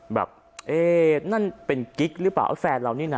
แบบเอ๊ะนั่นเป็นกิ๊กหรือเปล่าแฟนเรานี่นะ